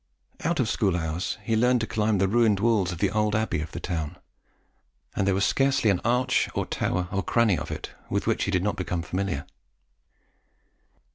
Out of school hours he learnt to climb the ruined walls of the old abbey of the town, and there was scarcely an arch, or tower, or cranny of it with which he did not become familiar.